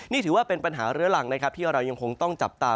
นี่ถือว่าเป็นปัญหาเรื้อหลังนะครับที่เรายังคงต้องจับตา